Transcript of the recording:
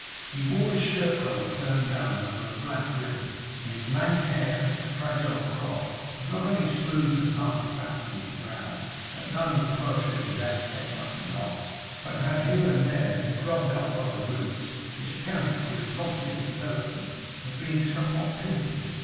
He wore his shirt collar turned down over a black ribbon; and his lank hair, a fragile crop, was not only smoothed and parted back from his brow, that none of the Poetry of his aspect might be lost, but had, here and there, been grubbed up by the roots; which accounted for his loftiest developments being somewhat pimply.